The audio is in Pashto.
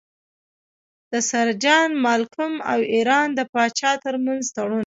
د سر جان مالکم او ایران د پاچا ترمنځ تړون.